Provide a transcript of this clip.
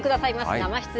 生出演。